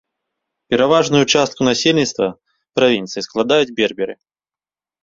Пераважную частку насельніцтва правінцыі складаюць берберы.